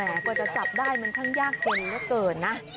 แหมกว่าจะจับได้มันช่างยากเกินเยอะเกินนะ